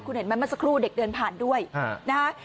คุณเห็นไหมเมื่อสักครู่เด็กเดินผ่านด้วยนะคะ